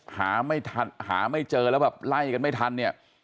หาไม่เจอแล้วแบบไล่กันไม่ทันเนี่ย